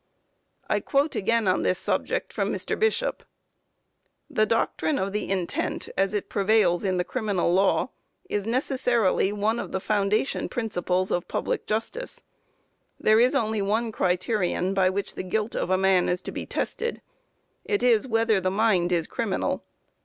I quote again on this subject from Mr. Bishop: "The doctrine of the intent as it prevails in the criminal law, is necessarily one of the foundation principles of public justice. There is only one criterion by which the guilt of man is to be tested. It is whether the mind is criminal.